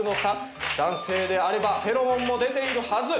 男性であればフェロモンも出ているはず。